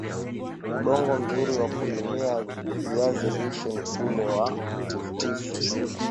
udongo mzuri wa kulimia viazi lishe ni ule wa tifutifu